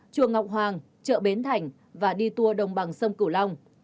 chùa ngọc hoàng chợ bến thành và đi tour đồng bằng sông cửu long